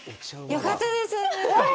よかったです！